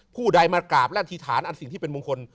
ผู้ใดมากราบและอธิษฐานอันสิ่งที่เป็นมงคล